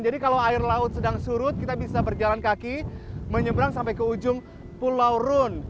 jadi kalau air laut sedang surut kita bisa berjalan kaki menyeberang sampai ke ujung pulau run